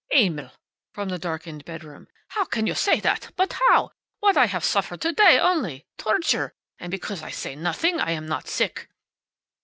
"Emil!" from the darkened bedroom. "How can you say that? But how! What I have suffered to day, only! Torture! And because I say nothing I'm not sick."